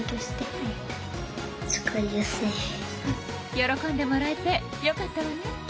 喜んでもらえてよかったわね。